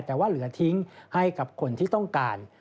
แต่ว่าเหลือทิ้งให้กับคนที่ต้องการ